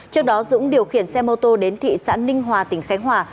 trước đó dũng điều khiển xe mô tô đến thị xã ninh hòa tỉnh khánh hòa